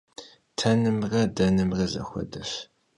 Tenımre denımre zexuedeş.